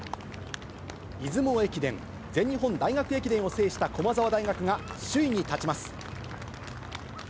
出雲駅伝、全日本大学駅伝を制した駒澤大学が首位に立ちます。